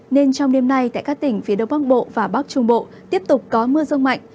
nên trong đêm nay tại các tỉnh phía đông bắc bộ và bắc trung bộ tiếp tục có mưa rông mạnh